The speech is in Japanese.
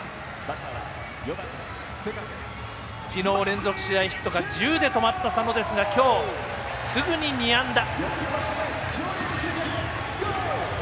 昨日、連続ヒットが１０で止まった佐野ですが今日、すぐに２安打。